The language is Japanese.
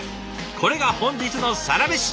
これが本日のサラメシ。